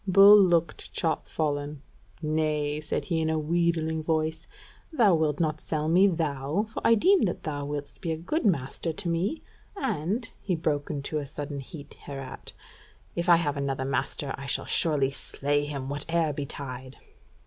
Bull looked chopfallen: "Nay," said he in a wheedling voice, "thou wilt not sell me, thou? For I deem that thou wilt be a good master to me: and," he broke into sudden heat hereat, "if I have another master I shall surely slay him whate'er betide."